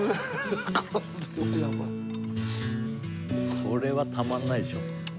これはたまんないでしょ